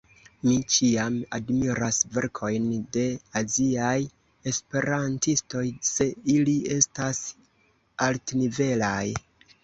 Mi ĉiam admiras verkojn de aziaj esperantistoj, se ili estas altnivelaj.